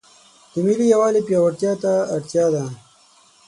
د ملي یووالي پیاوړتیا ته اړتیا ده.